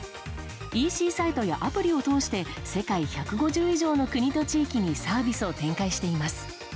ＥＣサイトやアプリをとおして世界１５０以上の国と地域にサービスを展開しています。